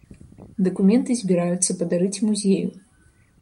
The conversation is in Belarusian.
Дакументы збіраюцца падарыць музею.